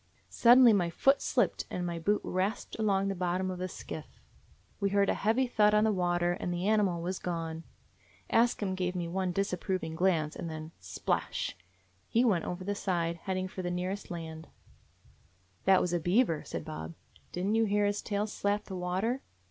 Suddenly my foot slipped and my boot rasped along the bottom of the skiff. We heard a heavy thud on the water, and the ani mal was gone. Ask Him gave me one dis 202 AN INDIAN DOG approving glance, and then — splash! — he went over the side, heading for the nearest land. "That was a beaver," said Bob. "Didn't you hear his tail slap the water?